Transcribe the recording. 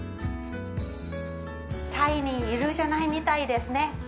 タイにいるじゃないみたいですね。